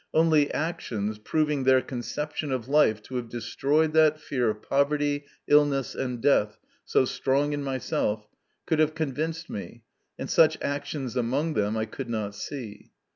Only actions, proving their conception of life to have destroyed that fear of poverty, illness, and death, so strong in myself, could have convinced me, and such actions among them I could not see.